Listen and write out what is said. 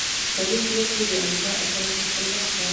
په دې صورت کې د امریکا استازي خپل وخت ضایع کړی.